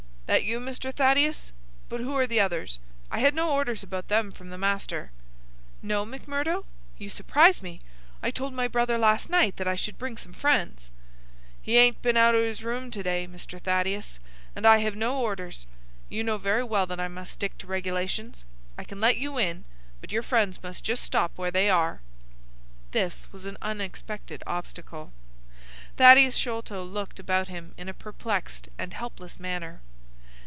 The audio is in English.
"That you, Mr. Thaddeus? But who are the others? I had no orders about them from the master." "No, McMurdo? You surprise me! I told my brother last night that I should bring some friends." "He ain't been out o' his room to day, Mr. Thaddeus, and I have no orders. You know very well that I must stick to regulations. I can let you in, but your friends must just stop where they are." This was an unexpected obstacle. Thaddeus Sholto looked about him in a perplexed and helpless manner.